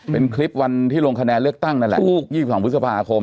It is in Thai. เป็นคลิปวันที่ลงคะแนนเลือกตั้งนั่นแหละ๒๒พฤษภาคม